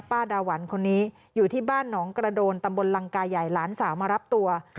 ดาหวันคนนี้อยู่ที่บ้านหนองกระโดนตำบลลังกายใหญ่หลานสาวมารับตัว